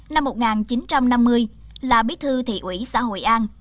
năm một nghìn chín trăm năm mươi là bí thư thị ủy xã hội an